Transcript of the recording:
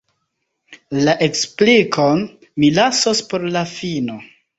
La eksplikon… mi lasos por la fino.